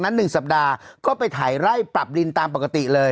หลังจากนั้น๑สัปดาห์ก็ไปถ่ายไล่ปรับดินตามปกติเลย